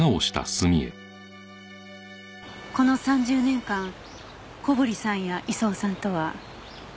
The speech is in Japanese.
この３０年間小堀さんや功さんとは？